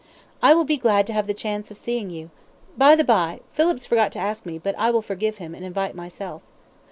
"I will be glad to have the chance of seeing you. By the by, Phillips forgot to ask me; but I will forgive him, and invite myself."